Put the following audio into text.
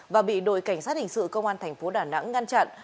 và bị đội cảnh sát hình sự công an thành phố đà nẵng ngăn chặn